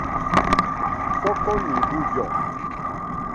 Koko ni iru yo!